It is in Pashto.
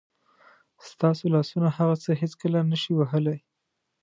ستاسو لاسونه هغه څه هېڅکله نه شي وهلی.